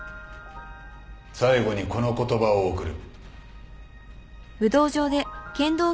最後にこの言葉を贈る。